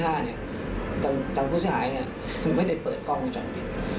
ทางผู้ที่หายไม่ได้เปิดกล้องกล้องจอนปิด